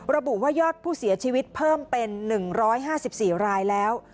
ระบุว่ายอดผู้เสียชีวิตเพิ่มเป็น๑๕๔รายแล้ว